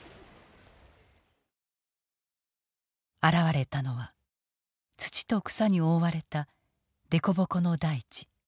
現れたのは土と草に覆われた凸凹の大地。